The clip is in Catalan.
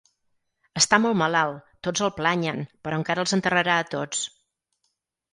Està molt malalt, tots el planyen, però encara els enterrarà tots.